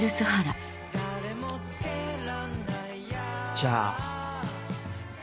じゃあ。